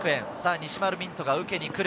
西丸道人が受けに来る。